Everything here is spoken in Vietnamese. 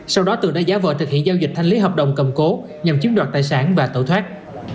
sau đó tường đã giá vợ thực hiện giao dịch thanh lý hợp đồng cầm cố nhằm chiếm đoạt tài sản và tẩu thoát